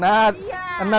ngenat itu yang gimana sih